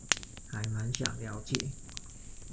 還滿想了解